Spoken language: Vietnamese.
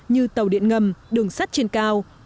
như tàu điện ngầm đường sắt trên cao